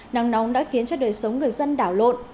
nắng nóng đã khiến cho đời sống người dân đảo lộn